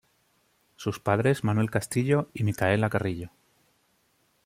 Sus padres Manuel Castillo y Micaela Carrillo.